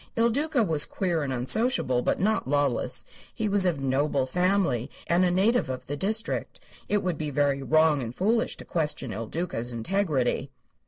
Il Duca was queer and unsociable, but not lawless. He was of noble family and a native of the district. It would be very wrong and foolish to question Il Duca's integrity.